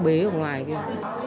bác bé ở ngoài kia